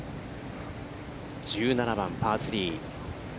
１７番、パー３。